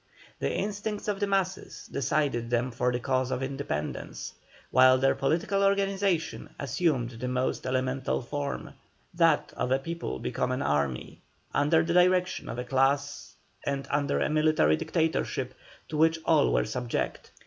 The instincts of the masses decided them for the cause of independence, while their political organization assumed the most elemental form, that of a people become an army, under the direction of a class and under a military dictatorship to which all were subject.